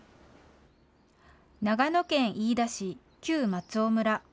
長野県飯田市、旧松尾村。